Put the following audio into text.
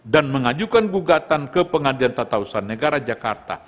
dan mengajukan bugatan ke pengadilan tata usaha negara jakarta